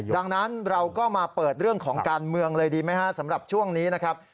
ดังนั้นเราก็มาเปิดเรื่องของการเมืองเลยดีไหมฮะสำหรับช่วงนี้นะครับ